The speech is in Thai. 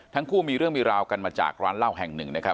ทั้งคู่มีเรื่องมีราวกันมันจากร้านเล่าแห่ง๑